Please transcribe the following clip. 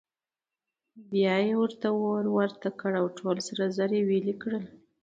بیا یې ورته اور ورته کړ او ټول سره زر یې ویلې کړل.